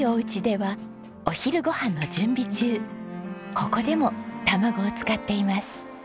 ここでも卵を使っています。